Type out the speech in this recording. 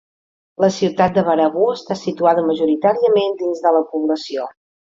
La ciutat de Baraboo està situada majoritàriament dins de la població.